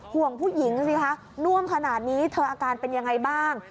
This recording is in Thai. ห่วงผู้หญิงสิคะน่วมขนาดนี้เธออาการเป็นยังไงบ้าง